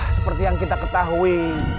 seperti yang kita ketahui